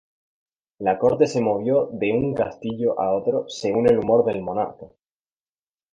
La corte se movió de un castillo a otro según el humor del monarca.